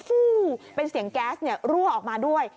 ฟู้เป็นเสียงแก๊สเนี่ยรั่วออกมาด้วย